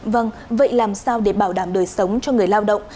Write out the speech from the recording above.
vâng vậy làm sao để bảo đảm đời sống cho người lao động